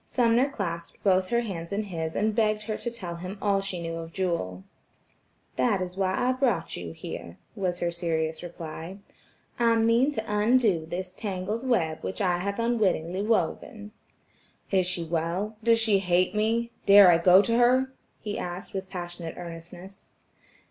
Sumner clasped both her hands in his and begged her to tell him all she knew of Jewel. "That is why I brought you here," was her serious reply. "I mean to undo this tangled web which I have unwittingly woven." "Is she well? does she hate me? Dare I go to her?" he asked with passionate earnestness.